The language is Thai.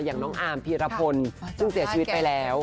อย่างน้องอาร์มพีรพลซึ่งเสียชีวิตไปแล้ว